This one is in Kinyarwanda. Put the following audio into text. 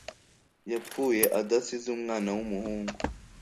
yapfuye adasize umwana w’umuhungu